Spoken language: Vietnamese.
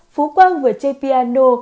phú quang vừa chơi piano